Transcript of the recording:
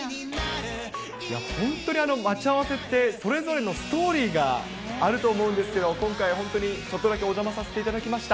いや、本当に待ち合わせって、それぞれのストーリーがあると思うんですよ、今回、本当にちょっとだけお邪魔させていただきました。